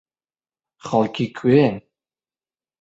خەڵکی کوێن؟